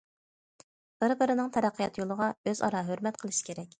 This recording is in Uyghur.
بىر- بىرىنىڭ تەرەققىيات يولىغا ئۆزئارا ھۆرمەت قىلىش كېرەك.